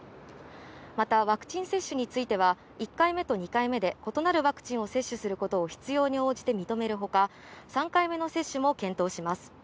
またワクチン接種については１回目と２回目で異なるワクチンを接種することを必要に応じて認めるほか、３回目の接種も検討します。